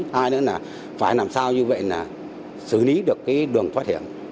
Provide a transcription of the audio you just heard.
hai nữa là phải làm sao như vậy là xử lý được cái đường thoát hiểm